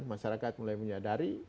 masyarakat mulai menyadari